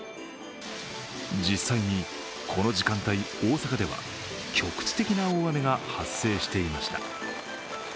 実際にこの時間帯、大阪では局地的な大雨が発生していました。